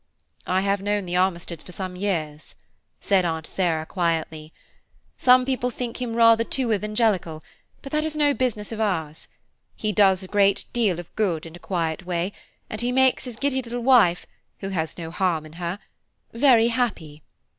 "I have known the Armisteads for some years," said Aunt Sarah quietly. "Some people think him rather too evangelical, but that is no business of ours; he does a great deal of good in a quiet way, and he makes his giddy little wife, who has no harm in her, very happy.